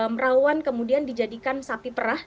merawan kemudian dijadikan sapi perah